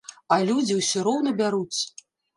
А людзі ўсё роўна бяруць!